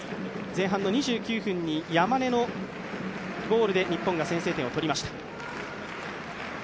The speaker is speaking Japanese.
前半２９分に山根のゴールで日本が先制点を取りました。